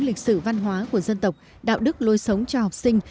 lịch sử văn hóa của dân tộc đạo đức lôi sống cho học sinh